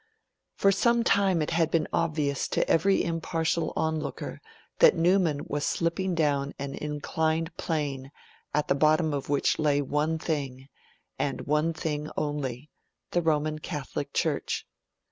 For some time it had been obvious to every impartial onlooker that Newman was slipping down an inclined plane at the bottom of which lay one thing, and one thing only the Roman Catholic Church.